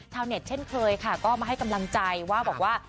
เน็ตเช่นเคยค่ะก็มาให้กำลังใจว่าบอกว่า